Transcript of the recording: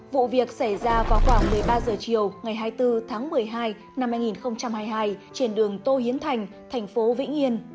vụ việc xảy ra vào khoảng một mươi ba h chiều ngày hai mươi bốn tháng một mươi hai năm hai nghìn hai mươi hai trên đường tô hiến thành thành phố vĩnh yên